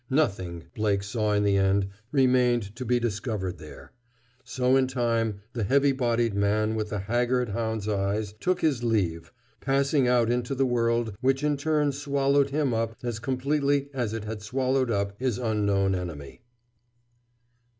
Nothing, Blake saw in the end, remained to be discovered there. So in time the heavy bodied man with the haggard hound's eyes took his leave, passing out into the world which in turn swallowed him up as completely as it had swallowed up his unknown enemy.